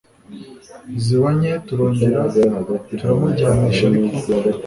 ziba nke turongera turamuryamisha ariko